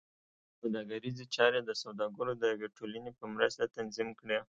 سوداګریزې چارې د سوداګرو د یوې ټولنې په مرسته تنظیم کړې.